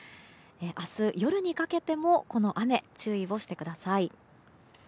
明日、夜にかけてもこの雨、注意をしてください。